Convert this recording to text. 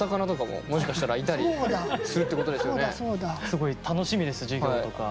すごい楽しみです授業とか。